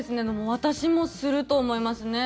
私もすると思いますね。